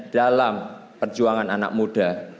dalam perjuangan anak muda